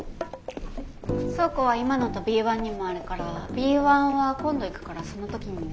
倉庫は今のとＢ１にもあるからＢ１は今度行くからその時にね。